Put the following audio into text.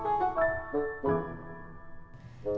sekali waktu deh